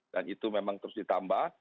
dan itu memang terus ditambah